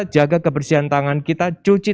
jaga kebersihan tangan kita cuci